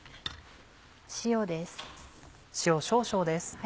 塩です。